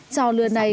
cho lừa này